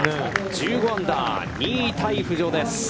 １５アンダー、２位タイ浮上です。